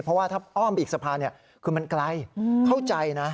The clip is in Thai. เพราะว่าถ้าอ้อมไปอีกสะพานคือมันไกลเข้าใจนะ